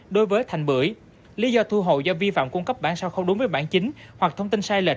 đối với thành bưởi lý do thu hộ do vi phạm cung cấp bản sao không đúng với bản chính hoặc thông tin sai lệch